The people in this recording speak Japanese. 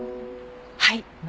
はい。